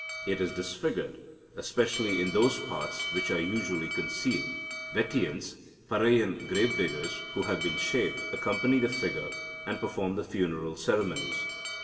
It is disfigured, especially in those parts which are usually concealed. Vettiyans (Paraiyan grave diggers), who have been shaved, accompany the figure, and perform the funeral ceremonies.